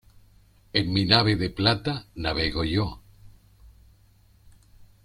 En mi nave de plata navego yo.